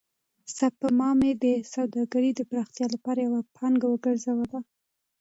سپما مې د سوداګرۍ د پراختیا لپاره یوه پانګه وګرځوله.